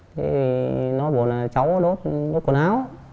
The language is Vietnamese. thế nó bảo là cháu đốt đốt quần áo